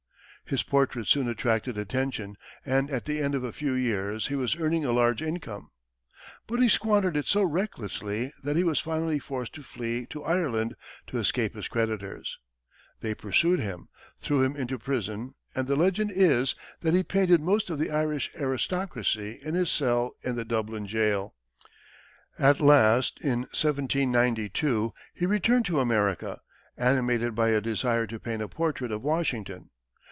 His portraits soon attracted attention, and at the end of a few years, he was earning a large income. But he squandered it so recklessly that he was finally forced to flee to Ireland to escape his creditors. They pursued him, threw him into prison, and the legend is that he painted most of the Irish aristocracy in his cell in the Dublin jail. At last, in 1792, he returned to America, animated by a desire to paint a portrait of Washington.